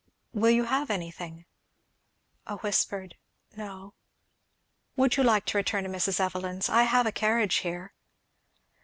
"Will you have anything?" A whispered "no." "Would you like to return to Mrs. Evelyn's? I have a carriage here."